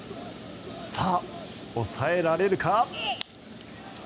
さあ、抑えられるか。